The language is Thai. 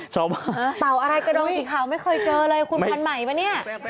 เตาอะไรกระดองสีขาวไม่เคยเจอเลยเพื่อนผันใหม่ป่ะนี่